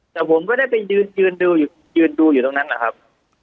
แต่ผมก็ได้ไปยืนดูยืนดูอยู่ตรงนั้นแหละครับ